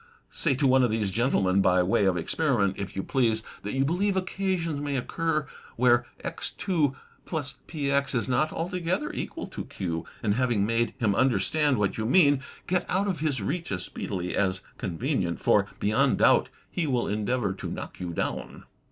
Say to one of these gentlemen, by way of experiment, if you please, that you believe occasions may occur where X2 plus px is not altogether equal to q, and, having made him understand what you mean, get out of his reach as speedily as convenient, for, beyond doubt, he will endeavor to knock you down.